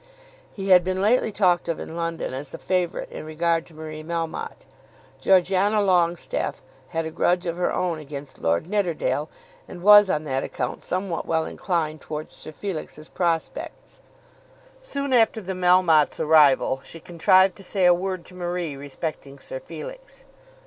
He had been lately talked of in London as the favourite in regard to Marie Melmotte. Georgiana Longestaffe had a grudge of her own against Lord Nidderdale, and was on that account somewhat well inclined towards Sir Felix's prospects. Soon after the Melmottes' arrival she contrived to say a word to Marie respecting Sir Felix.